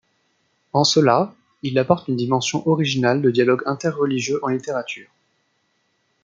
En cela, il apporte une dimension originale de dialogue interreligieux en littérature.